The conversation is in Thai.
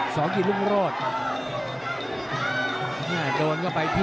ส่งแล้วกินรุ่นโฆษ